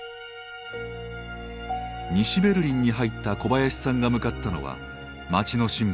西ベルリンに入った小林さんが向かったのは街のシンボル